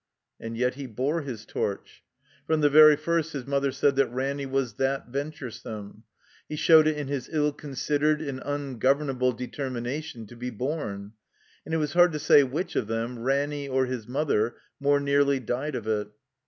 And yet he bore his torch. From the very first his mother said that Ranny was that venturesome. He showed it in his ill considered and tmgovemable determination to be bom, and it was hard to say which of them, Ranny .1 THE COMBINED MAZE or his mother, more nearly died of it.